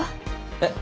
えっ？